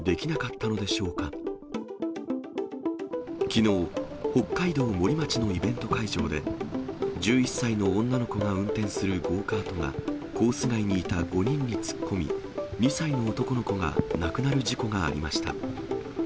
きのう、北海道森町のイベント会場で、１１歳の女の子が運転するゴーカートが、コース外にいた５人に突っ込み、２歳の男の子が亡くなる事故がありました。